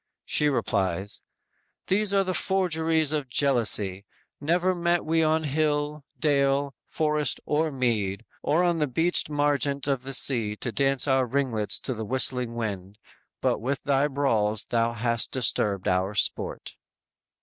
She replies: _"These are the forgeries of jealousy; Never met we on hill, dale, forest or mead; Or on the beached margent of the sea To dance our ringlets to the whistling wind, But with thy brawls thou hast disturbed our sport!"